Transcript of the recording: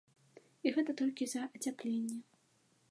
І гэта толькі за ацяпленне.